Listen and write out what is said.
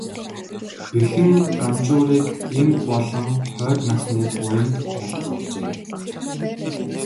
Бэхэн Ганжуурыг энэ болон хойд насны буянд айлтгуулна.